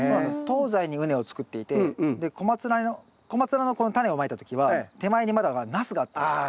東西に畝を作っていてでコマツナのこのタネをまいた時は手前にまだナスがあったんです。